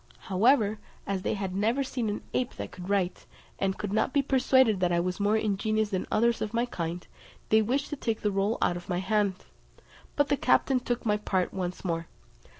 However, as they had never seen an ape that could write, and could not be persuaded that I was more ingenious than others of my kind, they wished to take the roll out of my hand; but the captain took my part once more.